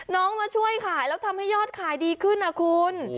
มาช่วยขายแล้วทำให้ยอดขายดีขึ้นนะคุณ